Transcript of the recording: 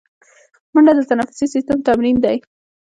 منډه د تنفسي سیستم تمرین دی